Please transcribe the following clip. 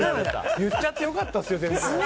言っちゃってよかったですよ。